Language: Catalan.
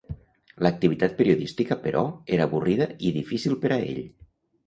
L'activitat periodística, però, era avorrida i difícil per a ell.